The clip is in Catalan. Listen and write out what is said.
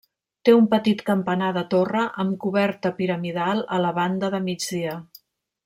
Té un petit campanar de torre amb coberta piramidal a la banda de migdia.